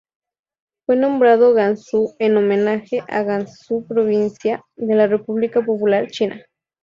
Fue nombrado Gansu en homenaje a Gansu provincia de la República Popular China.